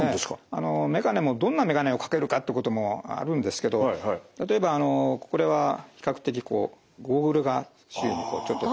メガネもどんなメガネをかけるかってこともあるんですけど例えばあのこれは比較的こうゴーグルが周囲にちょっとついて。